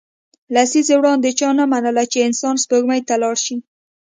لسیزې وړاندې چا نه منله چې انسان سپوږمۍ ته لاړ شي